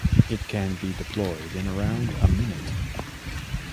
It can be deployed in around a minute.